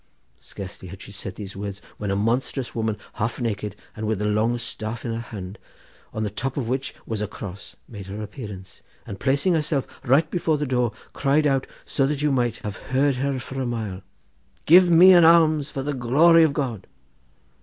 Scarcely had she said these words, when a monstrous woman, half naked, and with a long staff in her hand, on the top of which was a cross, made her appearance; and placing herself right before the door, cried out so that you might have heard her for a mile, 'Give me an alms for the glory of God.